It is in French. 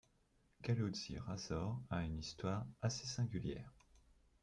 Guilty Razors a une histoire assez singulière.